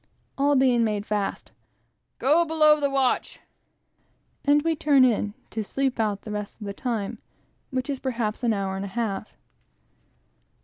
All being made fast "Go below, the watch!" and we turn in to sleep out the rest of the time, which is perhaps an hour and a half.